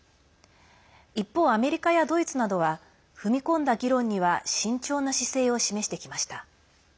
一方、アメリカやドイツなどは踏み込んだ議論には慎重な姿勢を示してきました。